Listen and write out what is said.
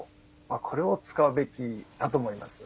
これを使うべきだと思います。